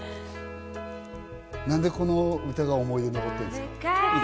なんでこの歌が思い出になっているんですか？